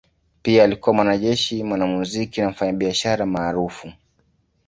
Pia alikuwa mwanajeshi, mwanamuziki na mfanyabiashara maarufu.